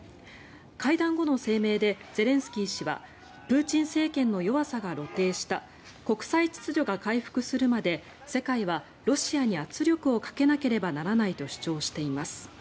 会談後の声明でゼレンスキー氏はプーチン政権の弱さが露呈した国際秩序が回復するまで世界はロシアに圧力をかけなければならないと主張しています。